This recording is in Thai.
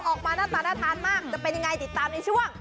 ออกมาหน้าตาน่าทานมากจะเป็นยังไงติดตามในช่วง